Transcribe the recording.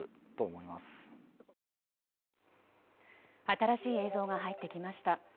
新しい映像が入ってきました。